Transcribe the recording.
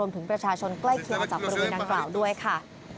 ถึงประชาชนใกล้เคียงจากบริเวณดังกล่าวด้วยค่ะ